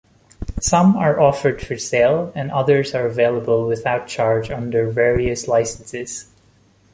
Some are offered for sale, and others are available without charge under various licenses.